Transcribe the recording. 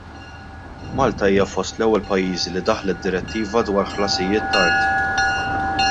Malta hija fost l-ewwel pajjiżi li daħlet direttiva dwar ħlasijiet tard.